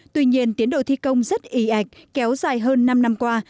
tuy nhiên tiến độ thi công rất ị ạch kéo dài hơn năm năm qua